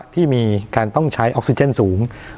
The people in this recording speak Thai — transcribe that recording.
ที่มีการต้องใช้ออกซิเจนสูง